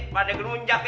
pada genunjak ya